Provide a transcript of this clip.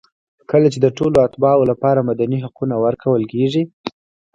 کله چې د ټولو اتباعو لپاره مدني حقونه ورکول کېږي.